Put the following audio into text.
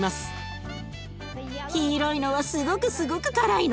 黄色いのはすごくすごく辛いの。